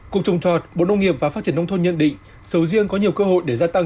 cục trồng trọt bộ nông nghiệp và phát triển nông thôn nhận định sầu riêng có nhiều cơ hội để gia tăng